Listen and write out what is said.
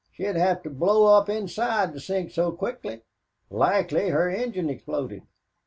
she'd have to blow up inside to sink so quickly. Likely her engine exploded."